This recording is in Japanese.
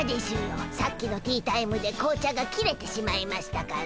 さっきのティータイムで紅茶が切れてしまいましたから。